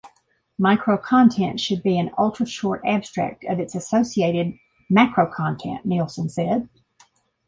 "Microcontent should be an ultra-short abstract of its associated macrocontent," Nielsen said.